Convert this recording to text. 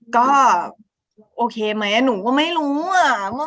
ก็โอเคไหมหนูก็ไม่รู้อะ